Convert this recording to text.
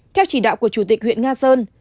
theo chỉ đạo của chủ tịch huyện nga sơn